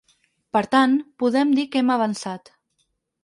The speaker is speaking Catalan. Per tant, podem dir que hem avançat.